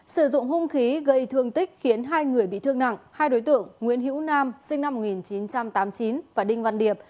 sử dụng hung khí gây thương tích khiến hai người bị thương nặng hai đối tượng nguyễn hữu nam sinh năm một nghìn chín trăm tám mươi chín và đinh văn điệp